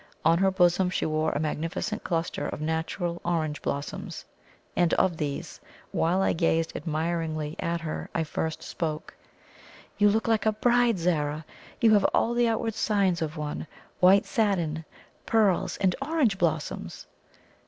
On her bosom she wore a magnificent cluster of natural orange blossoms; and of these, while I gazed admiringly at her, I first spoke: "You look like a bride, Zara! You have all the outward signs of one white satin, pearls, and orange blossoms!"